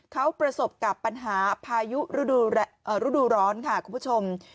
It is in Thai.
เขาประสบกับปัญหาพายุฤดูร้อนค่ะคุณผู้ชม